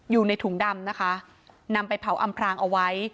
อยู่ในถุงดำนะคะนำไปเผาอำพรางเอาไว้